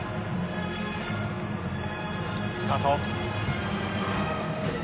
スタート。